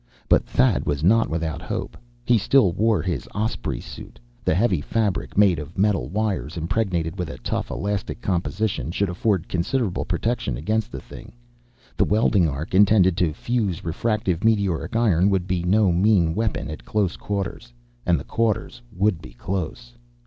But Thad was not without hope. He still wore his Osprey suit. The heavy fabric, made of metal wires impregnated with a tough, elastic composition, should afford considerable protection against the thing. The welding arc, intended to fuse refractive meteoric iron, would be no mean weapon, at close quarters. And the quarters would be close.